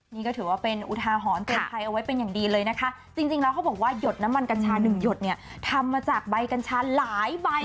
นี่ก็ถือว่าเป็นอุทาหรณ์เตือนภัยเอาไว้เป็นอย่างดีเลยนะคะจริงแล้วเขาบอกว่าหยดน้ำมันกัญชาหนึ่งหยดเนี่ยทำมาจากใบกัญชาหลายใบ